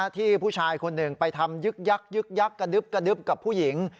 ที่ผู้ชายคนหนึ่งไปทำยึกยักษ์กระดึบกับผู้หญิง